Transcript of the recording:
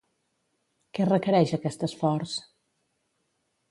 Què requereix aquest esforç?